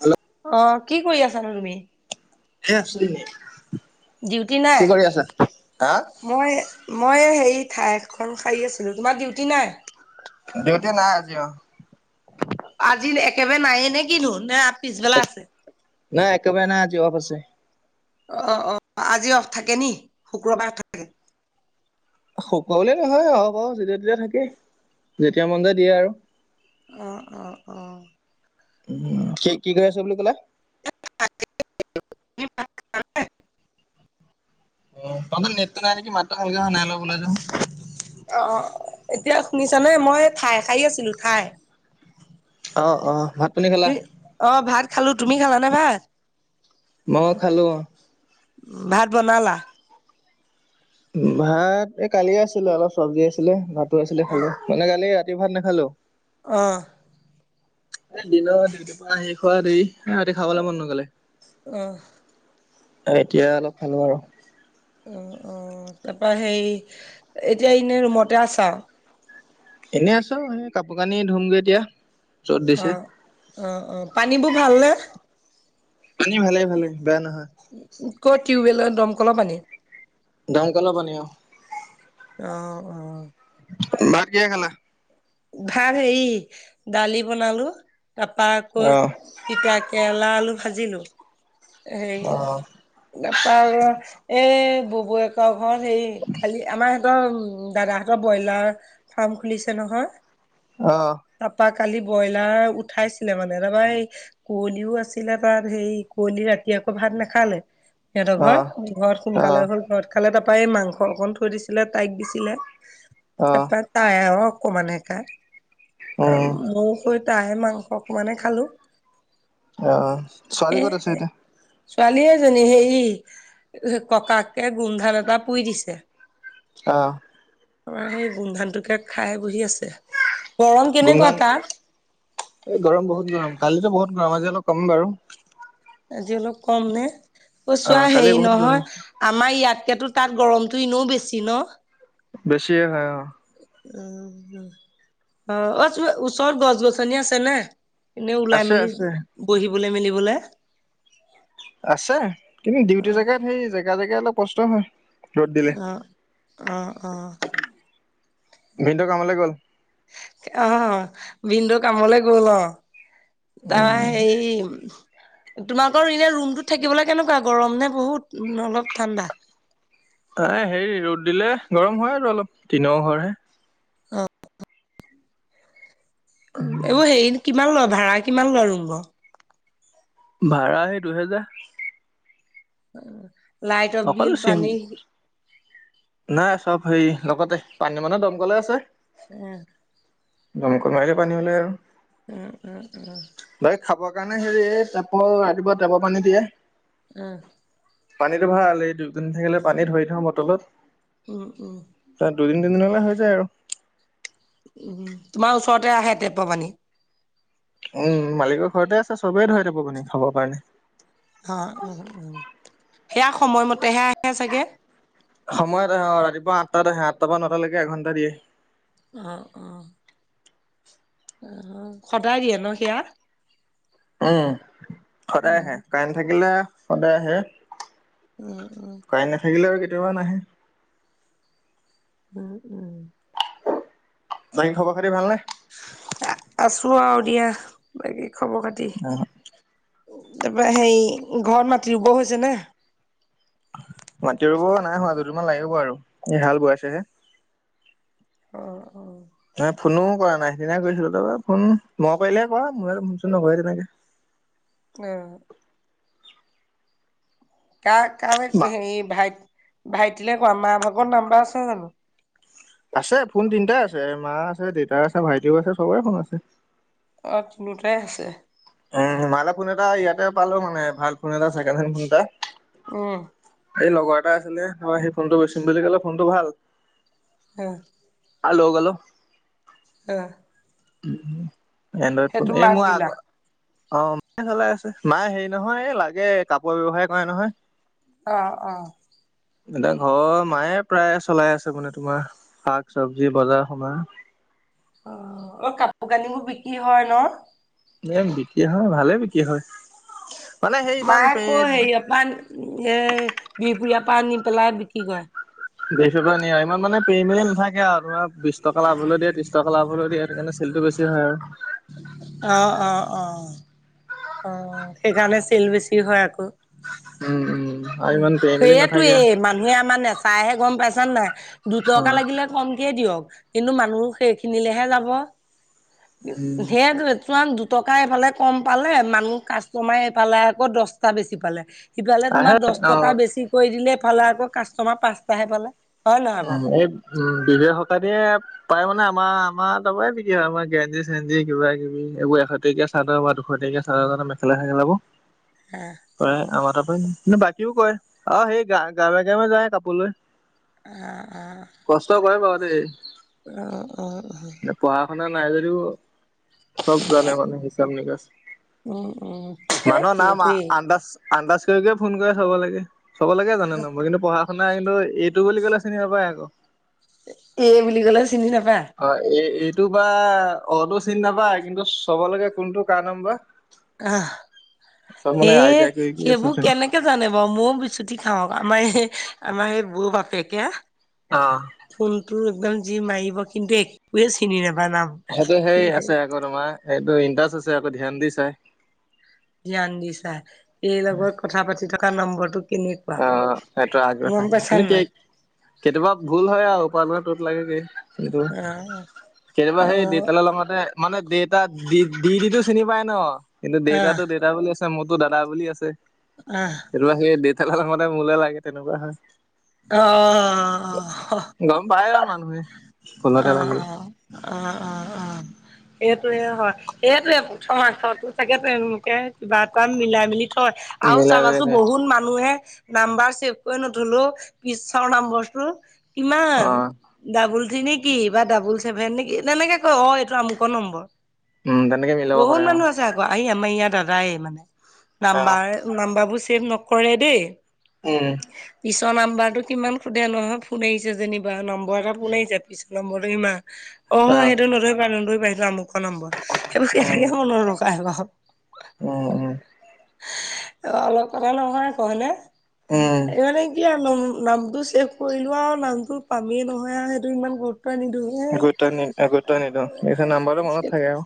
Hello অ কি কৰি আছানো তুমি এনে আছোঁ এনেই ডিউটি নাই হা মই মই হে ঠাই এখন হাৰি আছিলোঁ তোমাৰ ডিউটি নাই ডিউটি নাই আজি অ আজি একেবাৰে নায়ে নে কিনো নে পিছবেলা আছে নাই একেবাৰে নাই আজি অফ আছে অ অ আজি অফ থাকে নি শুক্ৰবাৰে থাকে সকলোৱে নহয় আহপ যেতিয়া তেতিয়া থাকেই যেতিয়া মন যায় দিয়ে আৰু অহ অ অ উম কি কি কৰি আছা বুলি ক'লা [unintelligible] অ তোমাৰ ফালে নেটটো নাই নেকি মাতটো ভালকে অহা নাই অলপ অ অ এতিয়া শুনিছা নে মই ঠাই হাই আছিলোঁ ঠাই অ অ ভাত পানী খালা? কি, অ ভাত খালো তুমি খালানে ভাত মই খালো অ উম ভাত বনালা ভাত এই কালিয়ে আছিলে অলপ চব্জি আছিলে ভাতো আছিলে অহ। খালো মানে কালি ৰা ৰাতি ভাত নেখালো অহ এ দিনৰ ডিউটি পৰা আহি খোৱা দেই এ ৰাতি খাবলে মন নগলে অহ এতিয়া অলপ খালো আৰু অ অ তাপা সেই এতিয়া এনে ৰুমতে আছা এনে আছোঁ এনেই কাপোৰ কানি ধুমগে এতিয়া য'ত অ দিছে অ অ পানীবোৰ ভাল নে পানি ভালেই ভালেই বেয়া নহয় টিউবেলৰ দমকলৰ পানী দম কলৰ পানী অ অহ অ ভাত কিহে খালা ভাত হেৰী দালি বনালো তাপা আকৌ আহ তিতা কেৰেলা আলু ভাজিলো আহ হেই পাৰ এই ববৌৱেকক হেৰী খালি আমাৰ সেত দাদাহঁতৰ ব্ৰইলাৰ ফাৰ্ম খুলিছে নহয় অহ তাৰপা কালি ব্ৰইলাৰ উঠাইছিলে মানে ৰাবা এই কুঁৱলীও আছিলে তাৰ সেই কুঁৱলী ৰাতি ভাত নেখালাই সিহঁতৰ ঘৰ আহ ঘৰত সোনকালে আহ হল ঘৰত খালে তাৰপৰা এই মাংস অকণ থৈ দিছিলে তাইক দিছিলে আহ তাপা তাই আৰু অকনমান হে খাই উম মোৰ সৈত তা হে মাংস অকন মানে খালো অহ ছোৱালী ক'ত আছে এতিয়া [unintelligible] ছোৱালীয়ে এজনী হেই এহ ককাকে গোমধান এটা পুই দিছে অ আমাৰ সেই গোমধানটোকে খাই বহি আছে । গোমধান এই গৰম বহুত গৰম কালিতো বহুত গৰম আজি অলপ কম বাৰু আজি অলপ কম নে, অ চোৱা কালি হেৰী বহুত গৰম নহয় আমাৰ ইয়াত এতিয়াতো তাত গৰমটো ইনেও বেছি ন বেছিয়ে হয় অ উম উম অ ওচৰত গছ-গছনি আছে নাই এনেই ওলাই আছে মেলি আছে বহিবলে মেলিবলে আছে কিন্তু অ ডিউটি জেগাত সেই জেগা-জেগা অলপ কষ্ট হয় ৰ'দ দিলে অহ-অহ-অহ ভিনদেউ কামলে গ'ল অহ ভিনদেউ কামল গল অ তাৰ উম হেই তোমালোকৰ এনে ৰুমটোত থাকিবলে কেনেকুৱা গৰম নে বহুত নে অলপ ঠাণ্ডা এ হেৰি ৰ'দ দিলে গৰম হয় আৰু অলপ তিনৰ ঘৰহে অ এইবোৰ হেৰি কিমান লয় ভাড়া কিমান লয় ৰুমবোৰৰ ভাড়া সেই দুহেজাৰ লাইটৰ অকল বিল, চিম পানী নাই চব হেৰি লগতে পানী মানুহে দম কলে আছে উম দমকল মাৰিলে পানী উলাই আৰু উম-উম-উম বাকী খাবৰ কাৰণে হেৰি টেপৰ ৰাতিপুৱা টেপৰ পানী দিয়ে উম পানীটো ভাল এই ডিউতি নাথাকিলে পানী ধৰি থওঁ বটলত উম উম তাত দুদিন তিনিদিনলে হৈ যায় আৰু উম তোমাৰ ওচৰতে আহে টেপৰ পানী উম মালিকৰ ঘৰতে আছে চবেই ধৰে টেপৰ পানী খাবৰ কাৰণে অ-অ সেয়া সময়মতেহে আহে চাগে সময়ত আহে অ ৰাতি তাত আহে আটটা পা নটালেকে এঘণ্টা দিয়ে অ অঁ অহ সদায় দিয়ে ন সেয়া উম সদায় উম, আহে কাৰেণ্ট থাকিলে সদায় আহে উম-উম কাৰেণ্ট নাথাকিলে আৰু কেতিয়াবা নাহে উম-উম বাকী খবৰ খাতি ভাল নে? আছো আৰু দিয়া বাকী খবৰ খাতি তাপা সেই ঘৰত মাটি ৰুব হৈছে নে মাতি ৰুব নাই হোৱা দুদিমান লাগিব আৰু এ হাল বোৱাইছেহে অ অ সেয়া ফোনো কৰা নাই সেইদিনাই কৰিছিলো তাৰ ফোন মই কৰিলেহে কৰা মোৰ ওচৰত নকৰে তেনেকে [inaudible] অ। কাৰ কাৰ মা হেৰি ভাইট ভাইটিল কোৱা মা ভাগৰ নাম্বাৰ আছে জানো? আছে ফোন তিনিটাই আছে মা আছে দেউতা আছে ভাইটিও আছে চবৰে ফোন আছে অ তিনিওটাই আছে উম মা লে ফোন এটা ইয়াতে পালো মানে ভাল ফোন এটা ছেকেণ্ড হেণ্ড ফোন এটা উম এই এটা আছিলে সেই ফোনটো গচিম বুলি ক'লে ফোনটো ভাল। হে হাল গলো। আহ। উ এনড্ৰইড ফোন এই মোৰ দিলা আগৰ অ মায়ে চলাই আছে মাই হেৰি নহয় লাগে কাপোৰ ব্যৱসায় কৰে নহয়। আহ আহ। এতিয়া ঘৰ মায়ে প্ৰায় চলাই আছে, মানে তোমাৰ শাক, চবজি, বজাৰ সমাৰ। অ অ কাপোৰ কানিবোৰ বিক্ৰী হয় ন? এ বিক্ৰী হয় ভালে বিক্ৰী হয়। মানে সেই ইমান মায়ে পে আকৌ হেৰি অপ এ বিহপুৰীয়া পানী পেলাই বিক্ৰী কৰে। দেখ নিয়া ইমান মানে পেৰি মেলি নাথাকে আৰু বিশ টকা লাভ হলে দিয়ে, তিশ টকা লাভ হলে দিয়ে এনে চে খেলটো বেছি হয়। অ অ অ অ, সেইকাৰণে চেল বেছি হয় আকৌ। উম উম আৰু ইমান পেৰি মেলি নাথাকে সেইয়াতোয়েই অ মানুহে আমাৰ নেচাইহে গম পাইছ ছে নাই দুটকা লাগিলে কমকে দিয়ক কিন্তু মানুহ সেইখিনিলেহে যাব। উম সেইয়াটো [inaudible] দু টকা এইফালে কম পালে, মানুহ কাষ্টমাৰে এইফালে আকৌ দশটা বেছি পালে। সিফালে তোমাৰ আহে দশ অ টকা বেছি কৰি দিলে, এফালে আকৌ কাষ্টমাৰ পাঁচটাহে পালে। হয় নহয় উম বাৰু এই উম বিব শকা দিয়ে পায় মানে আমাৰ -আমাৰ তাৰ পৰাই বিক্ৰি হয় আমাৰ গেঞ্জি -চেঞ্জী কিবা- কিবি এইবোৰ এশ টকীয়া চাৰ্ট বা দুশ টে তেতিয়া চা মেখেলা চেখেলাবোৰ, প্ৰায় আমাৰ ত হয় বাকীও কৰে, আহ সেই গা গাৱে গাৱে যায় কাপোৰ লৈ। উম কষ্ট কৰে বাৰু দেই। আহ অ অ। না নাই যদিও চব জানে মানে হিচাপ নিকা। উম উম মানুহ নাম আ সেইটোৱেই আন্দাজ আন্দাজ কৰিয়ে ফোন কৰে চব লাগে, চব লাগে জানে নো মই কিন্তু পঢ়া- শুনা কিন্তু এইটো বুলি ক'লে চিনি পাই আকৌ। এ বুলি ক'লে চিনি নাপায়। অ এই এইটো বা অটো চিনি নাপায় কিন্তু চব লাগে কোনটো কাৰণাম বা। আহ। এ আইডিয়া কৰি কৰি আছে সেইবোৰ চোন। কেনেকে জানে বাৰু মও বিচুতি খাওক আমাৰ এই আমাৰ সেই বৌ বাপেকে অ। ফোনটো একদম যি মাৰিব কিন্তু একোৱে চিনি নাপ সেইটো সেই আছে আকৌ তোমাৰ সেইটো ইণ্টাৰেষ্ট আছে আকৌ ধ্যান দি চাই। ধ্যান দি চাই, এই লগত কথা পাতি থকা নম্বৰটো কেনেকুৱা অ সেইটো আগ্ৰহে, গম পাইছা কিন্তু কি নাই কেতিয়াবা ভুল হয় আৰু উপাৰ্ত ত লাগে কি কিতো, অ কেতিয়াবা অ সেই দেতালা লগতে মানে ডেতা ডি ডটো চিনি পাই ন কিন্তু আহ ডেতাটো ডেটা বুলি। মোৰতো দাদা বুলি আছে আহ সেইটো সেই দেউতালা লগাওতে মোলে লাগে তেনেকুৱা হয়। অ অ গম পায় আৰু মানুহে। অ ভুলতে অ লাগি অ অ অ। সেইটোয়ে হয় সেইটোয়ে প্ৰথম আছো চাগে তেওঁলোকে কিবা এটা মিলাই মিলি। থই আৰু মিলাই মিলাই চাবাচোন চাই বহুত মানুহে নাম্বাৰ ছেভ কৰি নধলো পিছৰ নাম্বৰটো। কিমান অ ডাবোল থি নি কি বা ডাবোল ছেভেন নেকি তেনেকে কয় অ এইটো আমুকৰ নম্বৰ। উম তেনেকে মিলাব বহুত পাৰে অ মানুহ আছে আকৌ আহি আম আমাৰ ইয়াত দাদাই মানে, অ নাম্বাৰ নাম্বাৰবোৰ ছেভ নকৰে দেই। উম। পিছৰ নম্বৰটো কিমান সোধে নহয় ফোন আহিছে যেনিবা নম্বৰ এটা ফোন আহিছে পিছৰ নম্বৰটো কিমান। অ সেইটো নধৰি পা নধৰি পা সেইটো আমুক ক নাম্বৰ সেইবোৰ উম কেনেকে মনত ৰখাই বাও। উম উম। অ অলপ কথা নয় কনে উম এই মানে কি আৰু লম। নামটো চেফ কৰিলো আৰু নামটো পামেই নহয় আৰু সেইটো ইমান। পানী ধো হে গুৰুত্ব নি গুৰুত্ব নিদো পিছে নাম্বাৰটো মনত [unintelligible] থাকে আৰু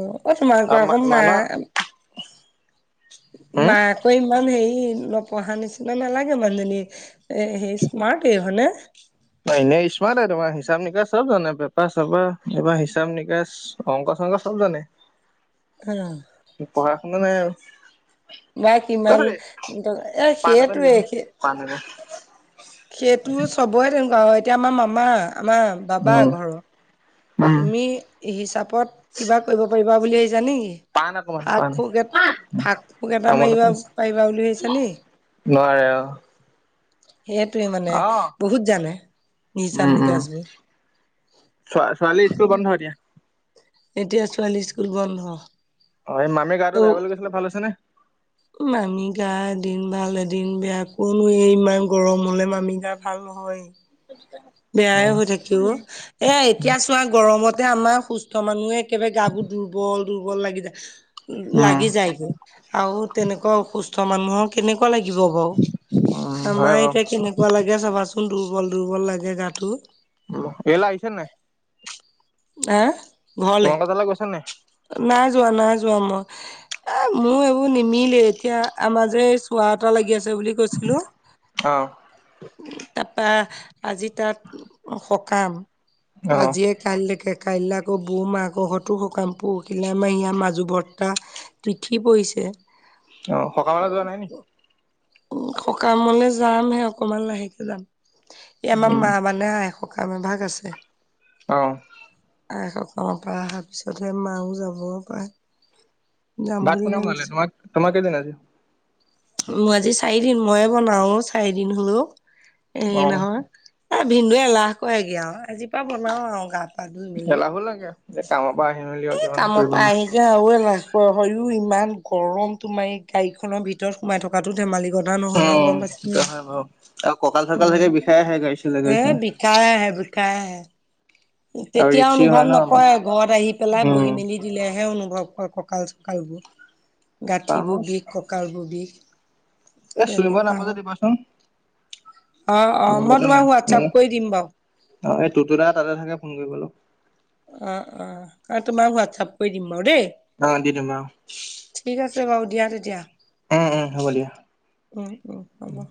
অ অ তোমাৰ আৰু মা অকম মানুহ নাই। [unintelligible] হম মাকৈ ইমান হেৰি নপঢ়া নিচিনা নালাগে মানুহজনী। এ সেই স্মাৰ্ট হয়নে। এনে স্মাট তোমাৰ হিচাপ নিকাচ চব জানে পেপাৰ চেপা এইবাৰ হিচাপ নিকাচ অংক। [unintelligible] অংক চব জানে। [inaudible] পঢ়া শুনা নাই আৰু। বা কিমান অই এ পাণ অকণ সেইটোৱে দিয়ক সে। পাণ অকণ সেইটো চবৰে তেনেকুৱা এতিয়া আমাৰ মামা আমাৰ বাবা উম ঘৰৰ। উম তুমি হিচাপত কিবা কৰিব পাৰিবা বুলি জানি। পাণ অকমান ফাক পাণ ফোক এ ফাক ফোক এটা তামোল অকণ মাৰিবা আছে। পাৰিবা বুলি ভাবছা নি। নোৱাৰে অ। সেইটোৱে মানে অ বহুত জানে হিচায উম উম নিকাচ বোৰ। ছ ছোৱালী স্কুল বন্ধ এটিয়া। এতিয়া ছোৱালী স্কুল বন্ধ। অ এই মামীৰ গাটো অ বেয়া বুলি কৈছিলে ভাল হৈছে নে মামি গা। দিন ভাল এদিন বেয়া কোনোৱেই ইমান গৰম হলে মামি গা ভাল নহয়। অ বেয়াই উম হৈ থাকিব এ এতিয়া চোৱা গৰমত। তে আমাৰ সুস্থ মানুহে একেবাৰে গা বোৰ দুৰ্বল দুৰ্বল লাগি যায়। উম লাগি যায়গৈ আৰু তেনেকুৱা অসুস্থ মানুহৰ কেনেকুৱা লাগিব বাৰু। হয় আমাৰ বাৰু এতিয়া কেনেকুৱা লাগে চাবাচোন দুৰ্বল দুৰ্বল লাগে গাটো। এল আহিছে নাই। আ। তোমাকা তালা গৈছে নাই। [unintelligible] না যোৱা না যোৱা মই। এ মোৰ এইবোৰ নিমিলে এতিয়া আমি যে চোৱা এটা লাগি আছে। [unintelligible] আ বুলি কৈছিলো অ তাপা। আজি তাত সকাম অ আজিয়ে কাইলৈকে। কাইলৈ আকৌ মাহাক ঘতো সকাম। [unintelligible] পৰখিল আমাৰ মাজু বৰ্তা তিথি পৰিছে। অ সকামেলা যোৱা নাই নি। সকামলে যামহে অকমান লাহেকে যাম ই আমাৰ উম মা মানে আ। সকাম এভাগ আছে। আহ আ এসকামৰ পৰা অহাৰ পিছতহে মাও যাব পাৰে। যাম ভাত বুলি কোনে বনালে ভাবিছো। তোমাক তোমাৰ কেইদিন আজি মোৰ আজি চাৰিদিন মইে বনাও চাৰিদিন হলেও। অ এ নহয় এ ভিনন্দুৱে এলাহ কৰেগে আৰু আজিৰ পৰাা বনাও আৰু গাত। লাহো লাগে যে কামত হয়। [unintelligible] এ কামৰ পৰা আহিক আৰু এ না। হয়ও ইমান গৰম তোমাৰ এই গাড়ীখনৰ ভিতৰত সোমাই থকাতটো ধেমালি। গদ নহয় নহয় উম গম পাইছ সেইটো না হয় বাৰু আৰু কঁকাল উ চকাল চাগে বিষাই আহে গাড়ী চলাই গাড়ী এ চলাই বিষাই আহে। [unintelligible] খাই আৰু তেতিয়া ৰিক্সি হয় অনুভৱ ন আমাৰ নকৰে ঘৰত আহি পেলাই উম বহি মেলি দিলেহে অনুভৱ। কঁকাল চকালবোৰ গাঁঠিবোৰ বিষ কঁকালবোৰ বিষ এ চুইমৰ তেনেকুৱা নাম্বাৰটো হয় দিবাচোন। অ অ মই তোমাক নাই হোৱাটছআপ কৰি দিম বাৰু এই ততো তাতে থাকে। ফোন কৰিপালো অ অ কাৰণ তোমাক হোৱাটছপ কৰি দিম। বাৰু দেই অ দি দিম আও। হব বাৰু দিয়া তেতিয়া দিয়া উম উম হ'ব।